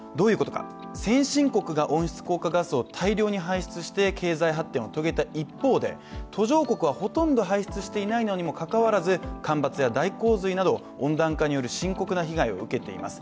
先進国が温室効果ガスを大量に排出して発展を遂げた一方で途上国はほとんど排出していないのにもかかわらず干ばつや大洪水など温暖化による深刻な被害を受けています。